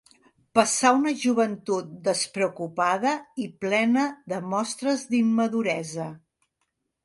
Passà una joventut despreocupada i plena de mostres d'immaduresa.